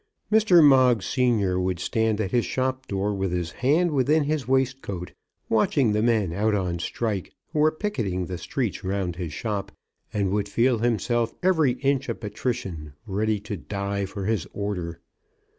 Mr. Moggs senior would stand at his shop door, with his hand within his waistcoat, watching the men out on strike who were picketing the streets round his shop, and would feel himself every inch a patrician, ready to die for his order.